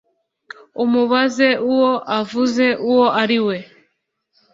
umubaze uwo avuze uwo ari we.